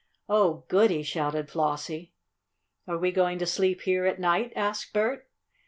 "Oh, goody!" shouted Flossie. "Are we going to sleep here at night?" asked Bert.